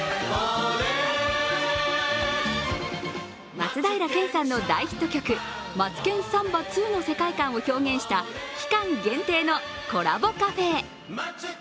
松平健さんの大ヒット曲「マツケンサンバⅡ」の世界観を表現した期間限定のコラボカフェ。